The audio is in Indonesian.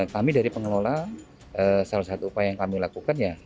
kami dari pengelola salah satu upaya yang kami lakukan ya